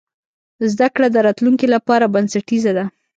زده کړه د راتلونکي لپاره بنسټیزه ده.